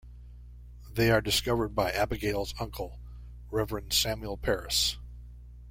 They are discovered by Abigail's uncle, Reverend Samuel Parris.